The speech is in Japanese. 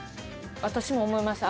私も思いました。